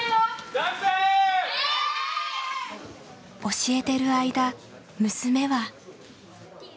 教えてる間娘は。